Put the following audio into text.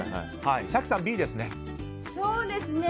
早紀さん、Ｂですね。